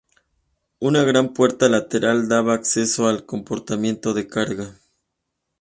Una gran puerta lateral daba acceso al compartimiento de carga.